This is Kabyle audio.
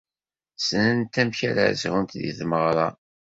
Ssnent amek ara zhunt deg tmeɣra.